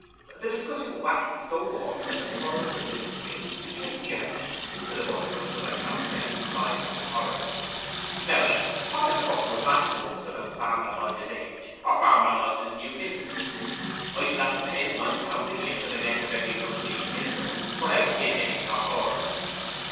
The discussion waxed so warm that the purr of the milk streams became jerky, till a voice from another cow's belly cried with authority, 'Now then, what the Turk do it matter to us about Farmer Lodge's age, or Farmer Lodge's new mis'ess? I shall have to pay him nine pound a year for the rent of every one of these milchers, whatever his age or hers.